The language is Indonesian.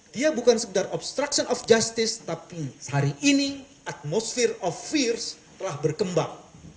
dia bukan sekedar obstruction of justice tapi sehari ini atmosphere of fears telah berkembang